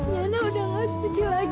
niana udah gak sepecil lagi